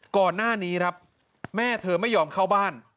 ก่อนหน้านี้ครับแม่เธอไม่ยอมเข้าบ้าน